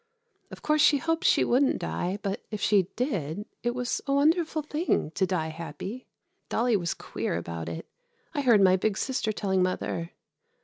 Of course she hoped she wouldn't die, but if she did, it was a wonderful thing to die happy. Dolly was queer about it; I heard my big sister telling mother.